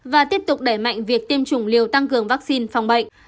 và tiếp tục đẩy mạnh việc tiêm chủng liều tăng cường vaccine phòng bệnh